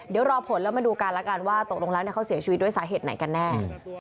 เดี๋ยวรอผลแล้วมาดูกันแล้วกันว่าตกลงแล้วเขาเสียชีวิตด้วยสาเหตุไหนกันแน่